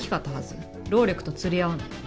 労力と釣り合わない。